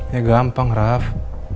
ya gampang raff